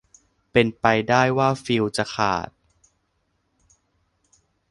เป็นไปได้ว่าฟิวส์จะขาด